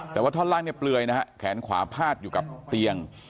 แต่ว่าท่อนล่างเนี่ยเปลือยนะฮะแขนขวาพาดอยู่กับเตียง